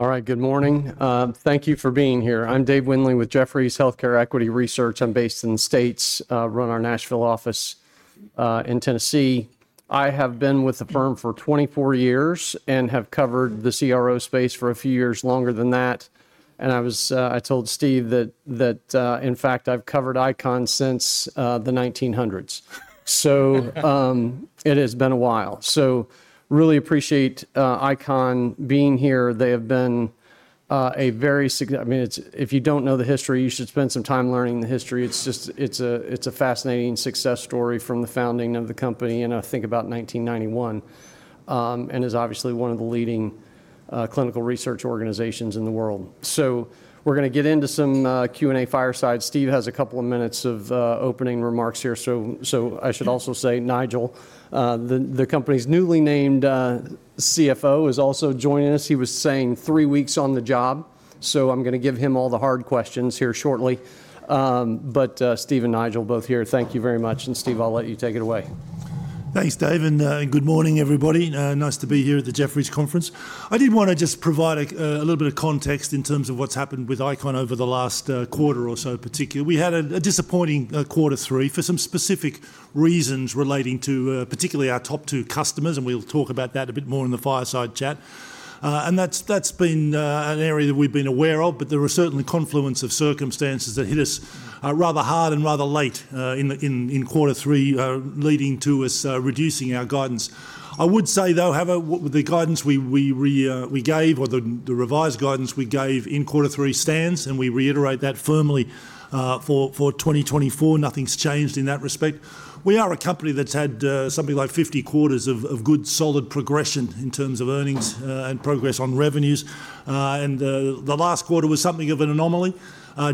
All right, good morning. Thank you for being here. I'm Dave Windley with Jefferies Healthcare Equity Research. I'm based in the States, run our Nashville office in Tennessee. I have been with the firm for 24 years and have covered the CRO space for a few years, longer than that. And I was, I told Steve that, in fact, I've covered ICON since the 1900s. So it has been a while. So really appreciate ICON being here. They have been a very, I mean, if you don't know the history, you should spend some time learning the history. It's just, it's a fascinating success story from the founding of the company, and I think about 1991, and is obviously one of the leading clinical research organizations in the world. So we're going to get into some Q&A fireside. Steve has a couple of minutes of opening remarks here. So I should also say, Nigel, the company's newly named CFO, is also joining us. He was saying three weeks on the job. So I'm going to give him all the hard questions here shortly. But Steve and Nigel, both here, thank you very much. And Steve, I'll let you take it away. Thanks, Dave. And good morning, everybody. Nice to be here at the Jefferies Conference. I did want to just provide a little bit of context in terms of what's happened with ICON over the last quarter or so, particularly. We had a disappointing quarter three for some specific reasons relating to particularly our top two customers. And we'll talk about that a bit more in the fireside chat. And that's been an area that we've been aware of. But there were certainly confluence of circumstances that hit us rather hard and rather late in quarter three, leading to us reducing our guidance. I would say, though, the guidance we gave, or the revised guidance we gave in quarter three stands, and we reiterate that firmly for 2024. Nothing's changed in that respect. We are a company that's had something like 50 quarters of good solid progression in terms of earnings and progress on revenues, and the last quarter was something of an anomaly,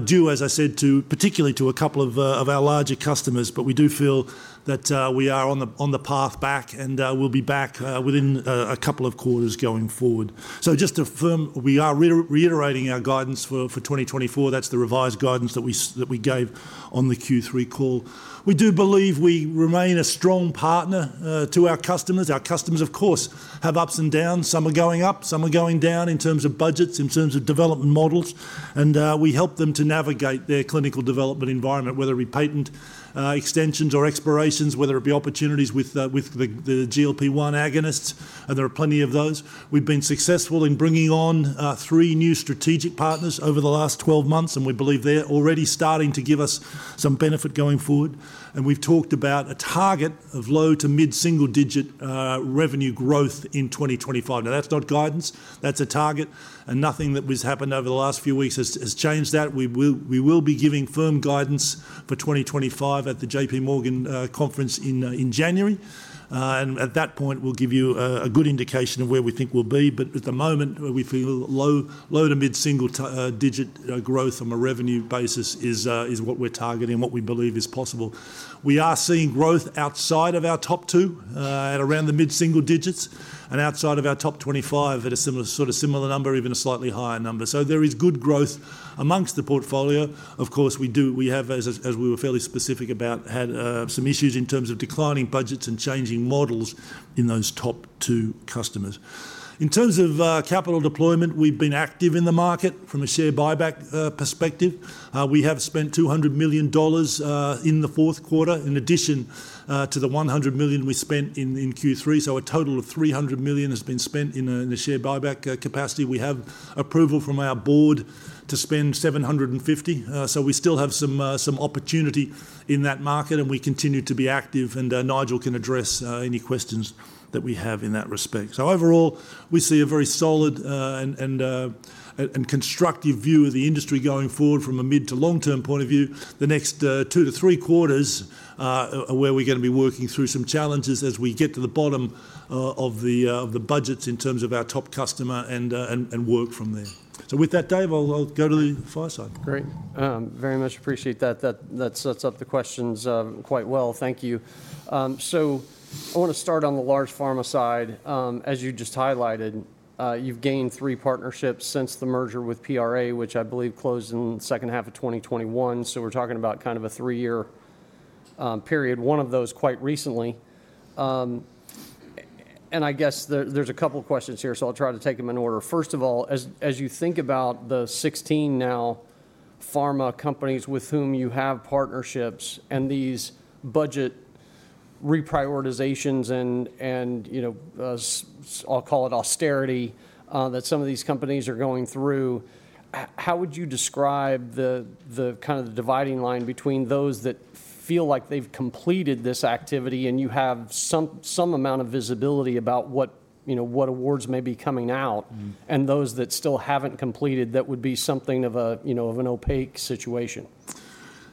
due, as I said, particularly to a couple of our larger customers, but we do feel that we are on the path back, and we'll be back within a couple of quarters going forward, so just to affirm, we are reiterating our guidance for 2024. That's the revised guidance that we gave on the Q3 call. We do believe we remain a strong partner to our customers. Our customers, of course, have ups and downs. Some are going up, some are going down in terms of budgets, in terms of development models, and we help them to navigate their clinical development environment, whether it be patent extensions or expirations, whether it be opportunities with the GLP-1 agonists. There are plenty of those. We've been successful in bringing on three new strategic partners over the last 12 months. We believe they're already starting to give us some benefit going forward. We've talked about a target of low to mid-single-digit revenue growth in 2025. Now, that's not guidance. That's a target. Nothing that has happened over the last few weeks has changed that. We will be giving firm guidance for 2025 at the J.P. Morgan Conference in January. At that point, we'll give you a good indication of where we think we'll be. At the moment, we feel low to mid-single-digit growth on a revenue basis is what we're targeting, what we believe is possible. We are seeing growth outside of our top two at around the mid-single digits and outside of our top 25 at a sort of similar number, even a slightly higher number, so there is good growth amongst the portfolio. Of course, we do, as we were fairly specific about, had some issues in terms of declining budgets and changing models in those top two customers. In terms of capital deployment, we've been active in the market from a share buyback perspective. We have spent $200 million in the fourth quarter, in addition to the $100 million we spent in Q3. So a total of $300 million has been spent in the share buyback capacity. We have approval from our board to spend $750 million, so we still have some opportunity in that market, and we continue to be active, and Nigel can address any questions that we have in that respect. So overall, we see a very solid and constructive view of the industry going forward from a mid to long-term point of view. The next two to three quarters are where we're going to be working through some challenges as we get to the bottom of the budgets in terms of our top customer and work from there. So with that, Dave, I'll go to the fireside. Great. Very much appreciate that. That sets up the questions quite well. Thank you. So I want to start on the large pharma side. As you just highlighted, you've gained three partnerships since the merger with PRA, which I believe closed in the second half of 2021. So we're talking about kind of a three-year period, one of those quite recently. And I guess there's a couple of questions here. So I'll try to take them in order. First of all, as you think about the 16 now pharma companies with whom you have partnerships and these budget reprioritizations and, I'll call it austerity, that some of these companies are going through, how would you describe the kind of dividing line between those that feel like they've completed this activity and you have some amount of visibility about what awards may be coming out and those that still haven't completed that would be something of an opaque situation?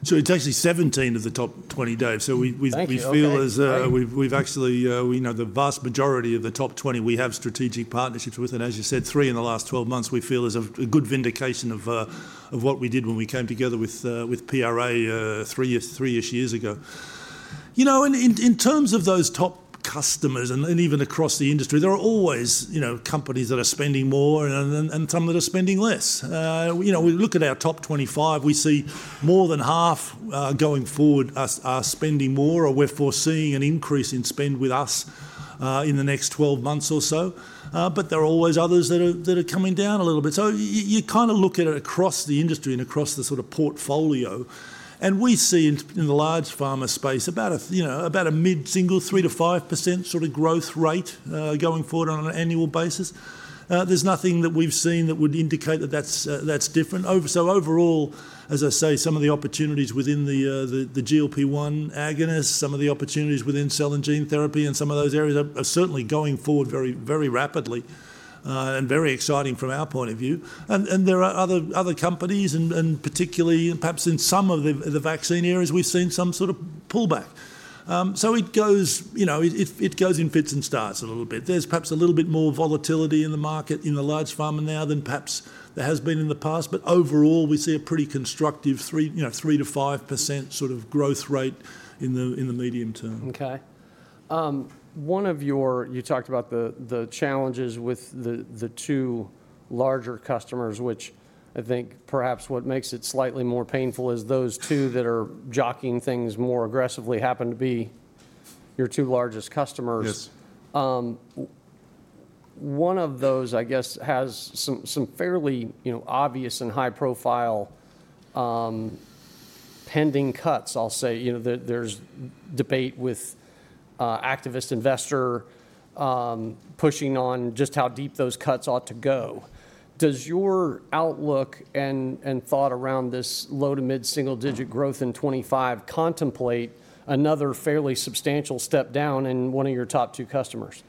It's actually 17 of the top 20, Dave. We feel as we've actually, the vast majority of the top 20 we have strategic partnerships with. As you said, three in the last 12 months, we feel is a good vindication of what we did when we came together with PRA three-ish years ago. You know, in terms of those top customers and even across the industry, there are always companies that are spending more and some that are spending less. We look at our top 25, we see more than half going forward are spending more or we're foreseeing an increase in spend with us in the next 12 months or so. But there are always others that are coming down a little bit. You kind of look at it across the industry and across the sort of portfolio. And we see in the large pharma space about a mid-single, 3%-5% sort of growth rate going forward on an annual basis. There's nothing that we've seen that would indicate that that's different. So overall, as I say, some of the opportunities within the GLP-1 agonist, some of the opportunities within cell and gene therapy and some of those areas are certainly going forward very rapidly and very exciting from our point of view. And there are other companies, and particularly perhaps in some of the vaccine areas, we've seen some sort of pullback. So it goes in fits and starts a little bit. There's perhaps a little bit more volatility in the market in the large pharma now than perhaps there has been in the past. But overall, we see a pretty constructive 3%-5% sort of growth rate in the medium term. Okay. One of your, you talked about the challenges with the two larger customers, which I think perhaps what makes it slightly more painful is those two that are jockeying things more aggressively happen to be your two largest customers. One of those, I guess, has some fairly obvious and high-profile pending cuts, I'll say. There's debate with activist investor pushing on just how deep those cuts ought to go. Does your outlook and thought around this low to mid-single-digit growth in 2025 contemplate another fairly substantial step down in one of your top two customers?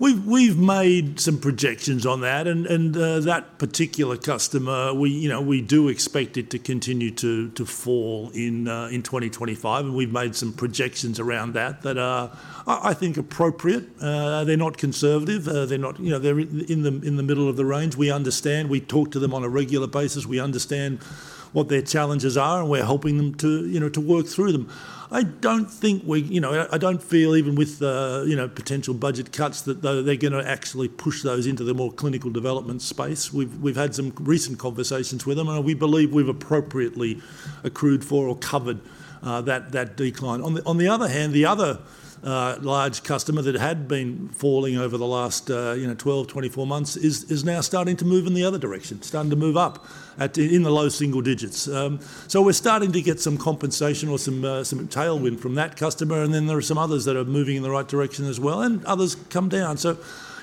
We've made some projections on that. And that particular customer, we do expect it to continue to fall in 2025. And we've made some projections around that that are I think appropriate. They're not conservative. They're in the middle of the range. We understand. We talk to them on a regular basis. We understand what their challenges are. And we're helping them to work through them. I don't think, I don't feel even with potential budget cuts that they're going to actually push those into the more clinical development space. We've had some recent conversations with them. And we believe we've appropriately accrued for or covered that decline. On the other hand, the other large customer that had been falling over the last 12-24 months is now starting to move in the other direction, starting to move up in the low single digits. So we're starting to get some compensation or some tailwind from that customer. And then there are some others that are moving in the right direction as well. And others come down. So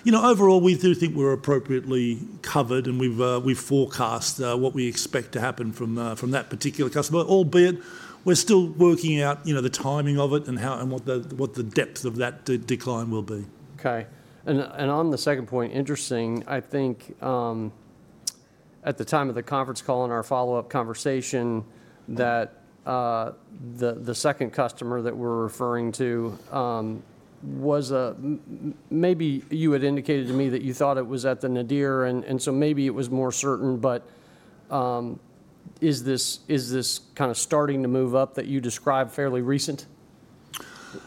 overall, we do think we're appropriately covered. And we've forecast what we expect to happen from that particular customer, albeit we're still working out the timing of it and what the depth of that decline will be. Okay. And on the second point, interesting, I think at the time of the conference call and our follow-up conversation that the second customer that we're referring to was a maybe you had indicated to me that you thought it was at the nadir. And so maybe it was more certain. But is this kind of starting to move up that you describe fairly recent?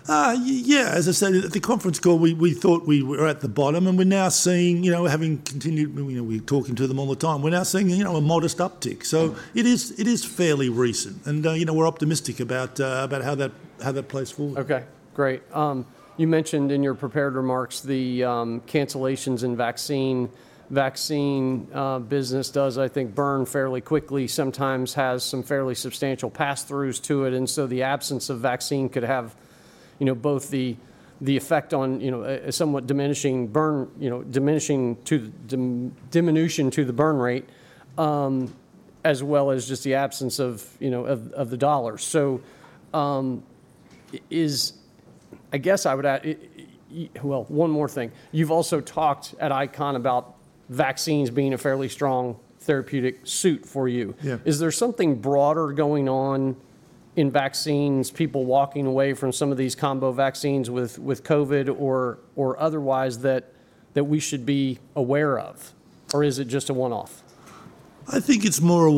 Yeah. As I said, at the conference call, we thought we were at the bottom, and having continued, we're talking to them all the time, we're now seeing a modest uptick, so it is fairly recent, and we're optimistic about how that plays forward. Okay. Great. You mentioned in your prepared remarks the cancellations in vaccine. Vaccine business does, I think, burn fairly quickly, sometimes has some fairly substantial pass-throughs to it. And so the absence of vaccine could have both the effect on a somewhat diminishing burn to the diminution to the burn rate, as well as just the absence of the dollar. So is, I guess I would, well, one more thing. You've also talked at ICON about vaccines being a fairly strong therapeutic suit for you. Is there something broader going on in vaccines, people walking away from some of these combo vaccines with COVID or otherwise that we should be aware of? Or is it just a one-off? I think it's more a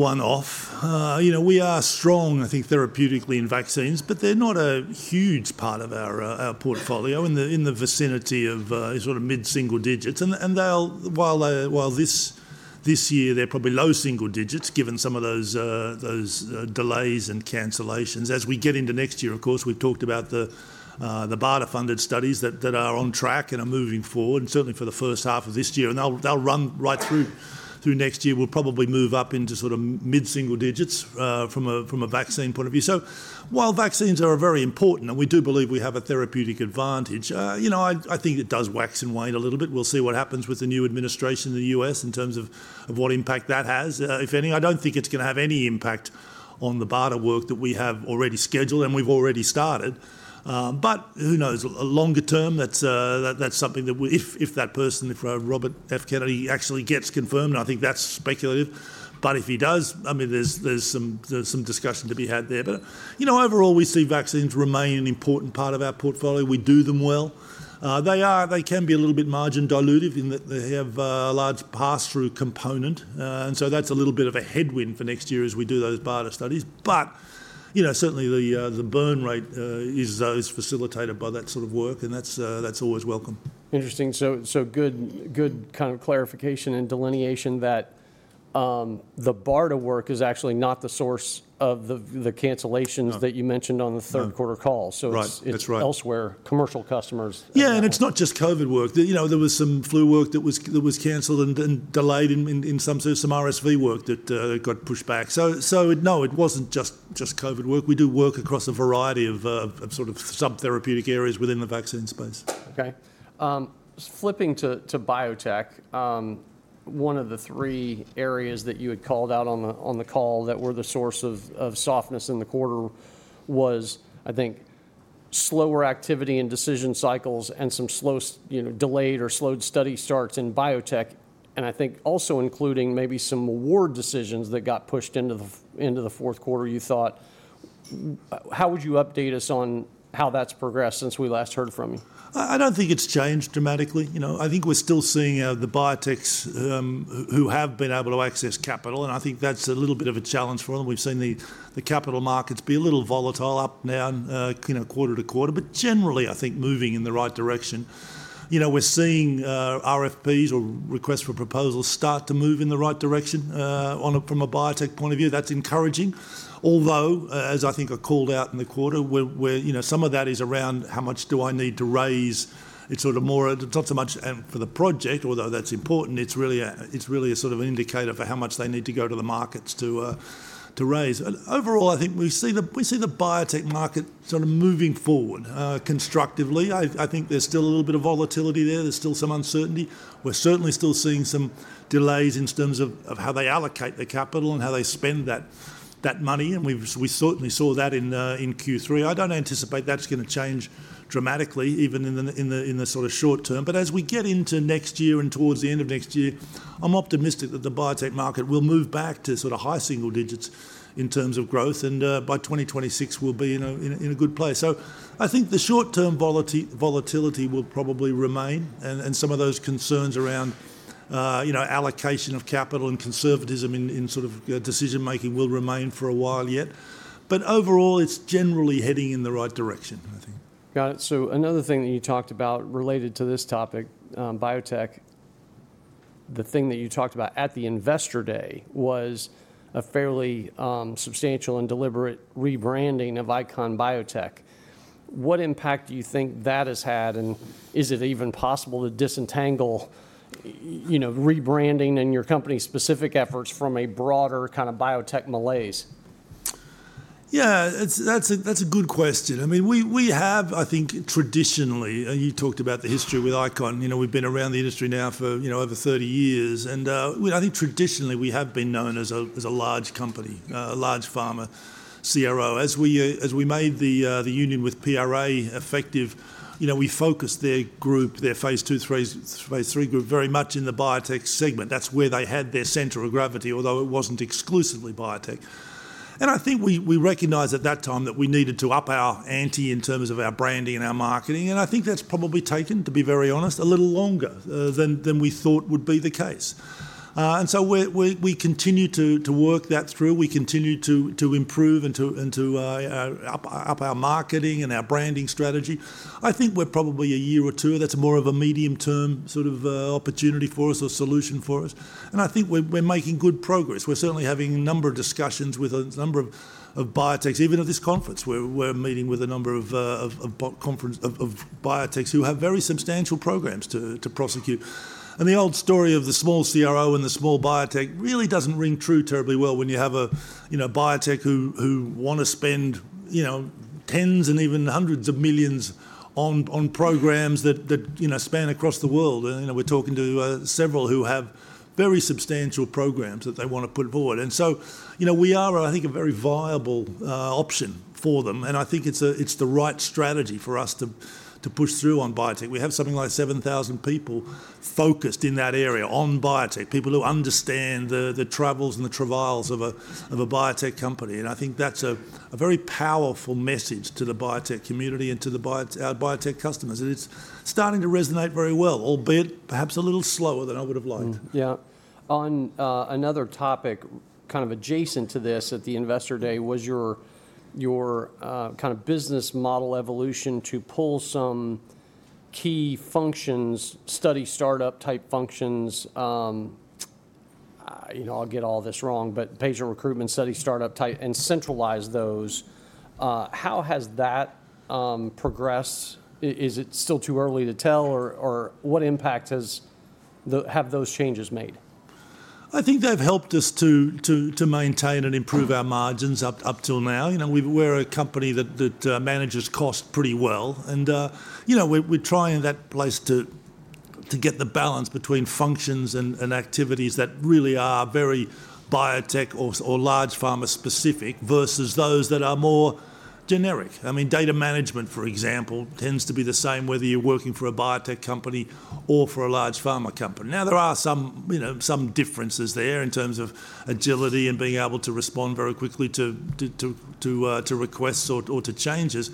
one-off. We are strong, I think, therapeutically in vaccines. But they're not a huge part of our portfolio in the vicinity of sort of mid-single digits, and while this year, they're probably low single digits, given some of those delays and cancellations. As we get into next year, of course, we've talked about the BARDA-funded studies that are on track and are moving forward, certainly for the first half of this year, and they'll run right through next year. We'll probably move up into sort of mid-single digits from a vaccine point of view, so while vaccines are very important, and we do believe we have a therapeutic advantage, I think it does wax and wane a little bit. We'll see what happens with the new administration in the U.S. in terms of what impact that has, if any. I don't think it's going to have any impact on the BARDA work that we have already scheduled and we've already started. But who knows? Longer term, that's something that if that person, if Robert F. Kennedy Jr. actually gets confirmed, and I think that's speculative. But if he does, I mean, there's some discussion to be had there. But overall, we see vaccines remain an important part of our portfolio. We do them well. They can be a little bit margin diluted in that they have a large pass-through component. And so that's a little bit of a headwind for next year as we do those BARDA studies. But certainly, the burn rate is facilitated by that sort of work. And that's always welcome. Interesting. So good kind of clarification and delineation that the BARDA work is actually not the source of the cancellations that you mentioned on the third quarter call. So it's elsewhere, commercial customers. Yeah. And it's not just COVID work. There was some flu work that was canceled and delayed, and some sort of RSV work that got pushed back. So no, it wasn't just COVID work. We do work across a variety of sort of sub-therapeutic areas within the vaccine space. Okay. Flipping to biotech, one of the three areas that you had called out on the call that were the source of softness in the quarter was, I think, slower activity in decision cycles and some delayed or slowed study starts in biotech, and I think also including maybe some award decisions that got pushed into the fourth quarter. You thought, how would you update us on how that's progressed since we last heard from you? I don't think it's changed dramatically. I think we're still seeing the biotechs who have been able to access capital. And I think that's a little bit of a challenge for them. We've seen the capital markets be a little volatile up and down quarter to quarter. But generally, I think moving in the right direction. We're seeing RFPs or requests for proposals start to move in the right direction from a biotech point of view. That's encouraging. Although, as I think I called out in the quarter, some of that is around how much do I need to raise it's sort of more, it's not so much for the project, although that's important. It's really a sort of an indicator for how much they need to go to the markets to raise. Overall, I think we see the biotech market sort of moving forward constructively. I think there's still a little bit of volatility there. There's still some uncertainty. We're certainly still seeing some delays in terms of how they allocate their capital and how they spend that money. And we certainly saw that in Q3. I don't anticipate that's going to change dramatically, even in the sort of short term. But as we get into next year and towards the end of next year, I'm optimistic that the biotech market will move back to sort of high single digits in terms of growth. And by 2026, we'll be in a good place. So I think the short-term volatility will probably remain. And some of those concerns around allocation of capital and conservatism in sort of decision-making will remain for a while yet. But overall, it's generally heading in the right direction, I think. Got it. So another thing that you talked about related to this topic, biotech, the thing that you talked about at the investor day was a fairly substantial and deliberate rebranding of ICON Biotech. What impact do you think that has had, and is it even possible to disentangle rebranding and your company-specific efforts from a broader kind of biotech malaise? Yeah. That's a good question. I mean, we have, I think, traditionally, and you talked about the history with ICON. We've been around the industry now for over 30 years, and I think traditionally, we have been known as a large company, a large pharma CRO. As we made the union with PRA effective, we focused their group, their phase two, phase three group very much in the biotech segment. That's where they had their center of gravity, although it wasn't exclusively biotech, and I think we recognized at that time that we needed to up our ante in terms of our branding and our marketing, and I think that's probably taken, to be very honest, a little longer than we thought would be the case, and so we continue to work that through. We continue to improve and to up our marketing and our branding strategy. I think we're probably a year or two. That's more of a medium-term sort of opportunity for us or solution for us. And I think we're making good progress. We're certainly having a number of discussions with a number of biotechs, even at this conference. We're meeting with a number of biotechs who have very substantial programs to prosecute. And the old story of the small CRO and the small biotech really doesn't ring true terribly well when you have a biotech who want to spend tens and even hundreds of millions on programs that span across the world. And we're talking to several who have very substantial programs that they want to put forward. And so we are, I think, a very viable option for them. And I think it's the right strategy for us to push through on biotech. We have something like 7,000 people focused in that area on biotech, people who understand the troubles and the travails of a biotech company, and I think that's a very powerful message to the biotech community and to our biotech customers, and it's starting to resonate very well, albeit perhaps a little slower than I would have liked. Yeah. On another topic kind of adjacent to this at the investor day was your kind of business model evolution to pull some key functions, study startup-type functions. I'll get all this wrong, but patient recruitment, study startup type, and centralize those. How has that progressed? Is it still too early to tell? Or what impact have those changes made? I think they've helped us to maintain and improve our margins up till now. We're a company that manages costs pretty well, and we're trying to get the balance in place between functions and activities that really are very biotech or large pharma specific versus those that are more generic. I mean, data management, for example, tends to be the same whether you're working for a biotech company or for a large pharma company. Now, there are some differences there in terms of agility and being able to respond very quickly to requests or to changes.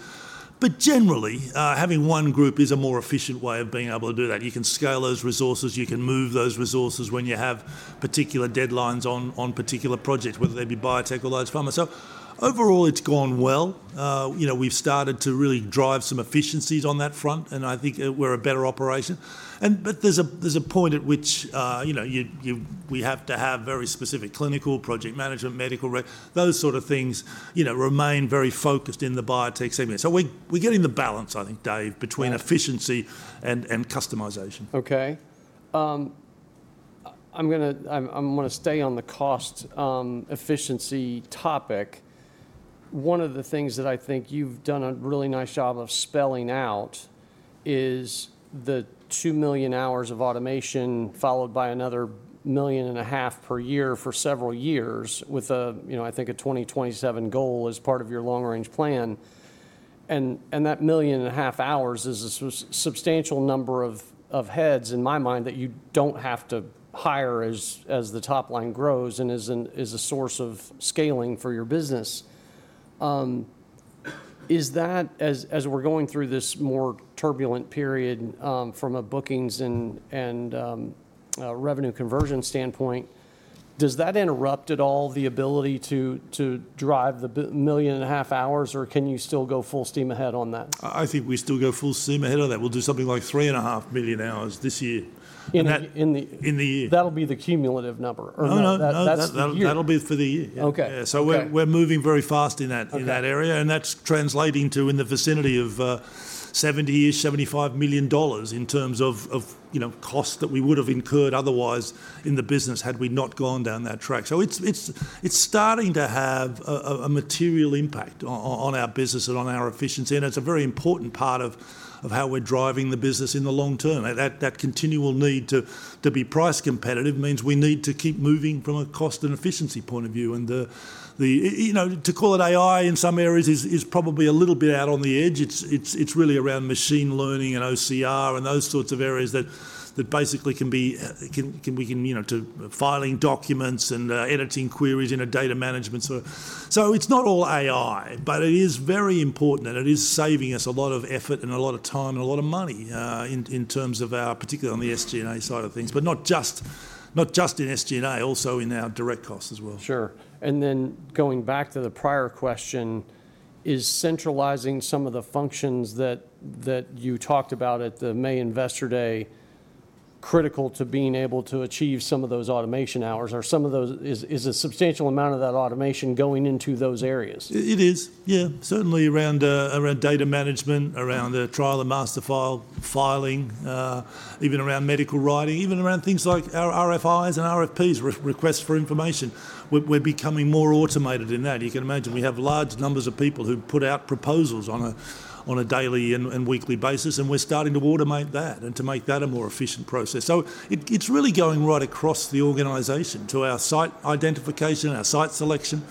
But generally, having one group is a more efficient way of being able to do that. You can scale those resources. You can move those resources when you have particular deadlines on particular projects, whether they be biotech or large pharma. So overall, it's gone well. We've started to really drive some efficiencies on that front. And I think we're a better operation. But there's a point at which we have to have very specific clinical, project management, medical, those sort of things remain very focused in the biotech segment. So we're getting the balance, I think, Dave, between efficiency and customization. Okay. I'm going to stay on the cost efficiency topic. One of the things that I think you've done a really nice job of spelling out is the 2 million hours of automation followed by another 1.5 million per year for several years with, I think, a 2027 goal as part of your long-range plan. And that 1.5 million hours is a substantial number of heads, in my mind, that you don't have to hire as the top line grows and is a source of scaling for your business. As we're going through this more turbulent period from a bookings and revenue conversion standpoint, does that interrupt at all the ability to drive the 1.5 million hours? Or can you still go full steam ahead on that? I think we still go full steam ahead on that. We'll do something like 3.5 million hours this year. In the? In the year. That'll be the cumulative number. No, no. That'll be for the year. Yeah, so we're moving very fast in that area. And that's translating to, in the vicinity of $70-$75 million in terms of costs that we would have incurred otherwise in the business had we not gone down that track. So it's starting to have a material impact on our business and on our efficiency. And it's a very important part of how we're driving the business in the long term. That continual need to be price competitive means we need to keep moving from a cost and efficiency point of view. And to call it AI in some areas is probably a little bit out on the edge. It's really around machine learning and OCR and those sorts of areas that basically can be filing documents and editing queries in a data management. So it's not all AI. But it is very important. And it is saving us a lot of effort and a lot of time and a lot of money in terms of our, particularly on the SG&A side of things. But not just in SG&A, also in our direct costs as well. Sure. And then going back to the prior question, is centralizing some of the functions that you talked about at the May investor day critical to being able to achieve some of those automation hours? Or is a substantial amount of that automation going into those areas? It is. Yeah. Certainly around data management, around Trial Master File filing, even around medical writing, even around things like our RFIs and RFPs, requests for information. We're becoming more automated in that. You can imagine we have large numbers of people who put out proposals on a daily and weekly basis, and we're starting to automate that and to make that a more efficient process, so it's really going right across the organization to our site identification, our site selection.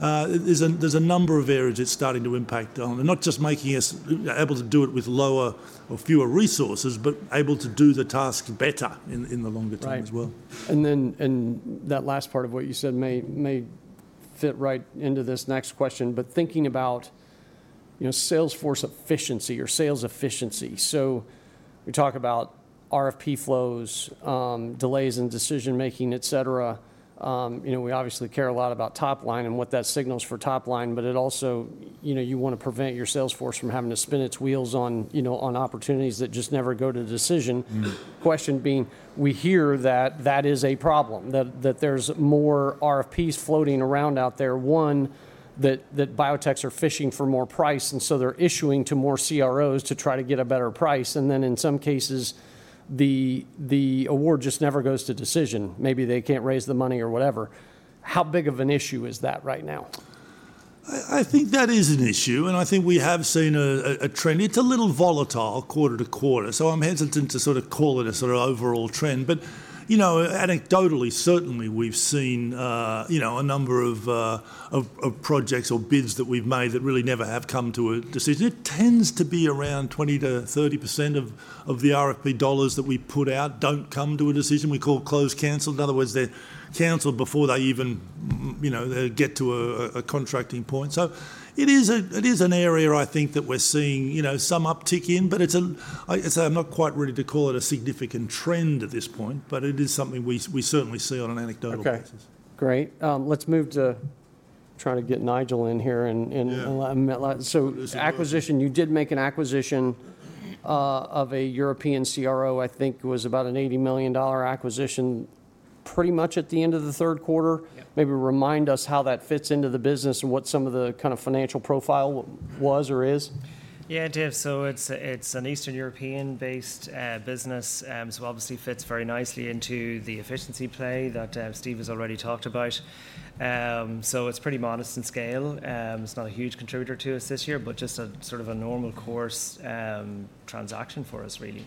There's a number of areas it's starting to impact on, and not just making us able to do it with lower or fewer resources, but able to do the task better in the longer term as well. And then that last part of what you said may fit right into this next question. But thinking about sales force efficiency or sales efficiency. So we talk about RFP flows, delays in decision-making, et cetera. We obviously care a lot about top line and what that signals for top line. But it also, you want to prevent your sales force from having to spin its wheels on opportunities that just never go to decision. Question being, we hear that that is a problem, that there's more RFPs floating around out there. One, that biotechs are fishing for more price. And so they're issuing to more CROs to try to get a better price. And then in some cases, the award just never goes to decision. Maybe they can't raise the money or whatever. How big of an issue is that right now? I think that is an issue. And I think we have seen a trend. It's a little volatile quarter to quarter. So I'm hesitant to sort of call it a sort of overall trend. But anecdotally, certainly we've seen a number of projects or bids that we've made that really never have come to a decision. It tends to be around 20%-30% of the RFP dollars that we put out don't come to a decision. We call closed canceled. In other words, they're canceled before they even get to a contracting point. So it is an area, I think, that we're seeing some uptick in. But I'm not quite ready to call it a significant trend at this point. But it is something we certainly see on an anecdotal basis. Okay. Great. Let's move to try to get Nigel in here. So, acquisition, you did make an acquisition of a European CRO. I think it was about an $80 million acquisition pretty much at the end of the third quarter. Maybe remind us how that fits into the business and what some of the kind of financial profile was or is. Yeah, Dave. So it's an Eastern European-based business. So obviously fits very nicely into the efficiency play that Steve has already talked about. So it's pretty modest in scale. It's not a huge contributor to us this year, but just a sort of a normal course transaction for us, really.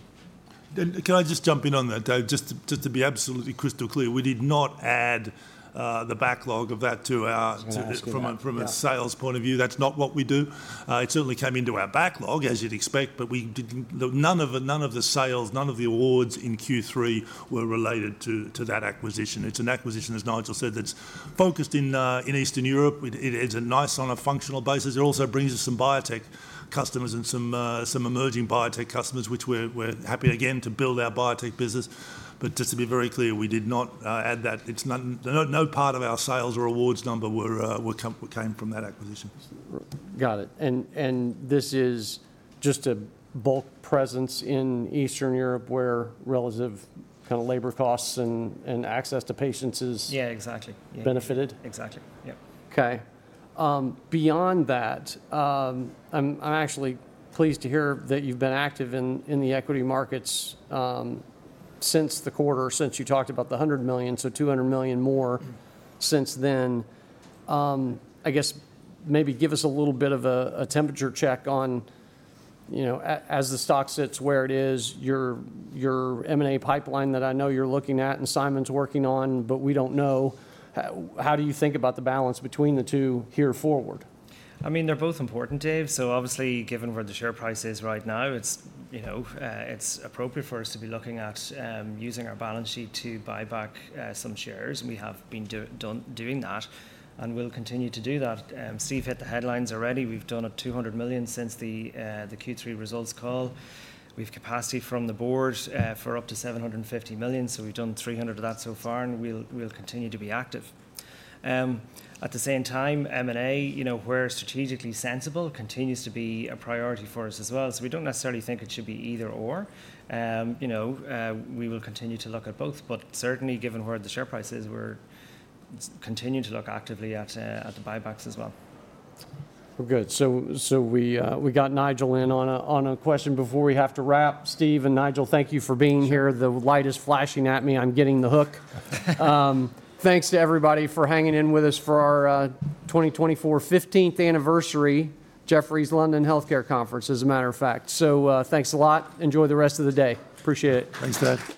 Can I just jump in on that? Just to be absolutely crystal clear, we did not add the backlog of that to our backlog from a sales point of view. That's not what we do. It certainly came into our backlog, as you'd expect. But none of the sales, none of the awards in Q3 were related to that acquisition. It's an acquisition, as Nigel said, that's focused in Eastern Europe. It is a nice add on a functional basis. It also brings us some biotech customers and some emerging biotech customers, which we're happy, again, to build our biotech business. But just to be very clear, we did not add that. No part of our sales or awards number came from that acquisition. Got it. And this is just a bulk presence in Eastern Europe where relative kind of labor costs and access to patients is benefited? Yeah. Exactly. Exactly. Yeah. Okay. Beyond that, I'm actually pleased to hear that you've been active in the equity markets since the quarter, since you talked about the $100 million, so $200 million more since then. I guess maybe give us a little bit of a temperature check on, as the stock sits where it is, your M&A pipeline that I know you're looking at and Simon's working on, but we don't know. How do you think about the balance between the two here forward? I mean, they're both important, Dave. So obviously, given where the share price is right now, it's appropriate for us to be looking at using our balance sheet to buy back some shares. We have been doing that. And we'll continue to do that. Steve hit the headlines already. We've done $200 million since the Q3 results call. We've capacity from the board for up to $750 million. So we've done $300 million of that so far. And we'll continue to be active. At the same time, M&A, where strategically sensible, continues to be a priority for us as well. So we don't necessarily think it should be either/or. We will continue to look at both. But certainly, given where the share price is, we're continuing to look actively at the buybacks as well. Well, good. So we got Nigel in on a question before we have to wrap. Steve and Nigel, thank you for being here. The light is flashing at me. I'm getting the hook. Thanks to everybody for hanging in with us for our 2024 15th anniversary, Jefferies London Healthcare Conference, as a matter of fact. So thanks a lot. Enjoy the rest of the day. Appreciate it. Thanks, Dave.